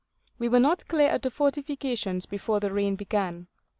We were not clear of the fortifications before the rain began.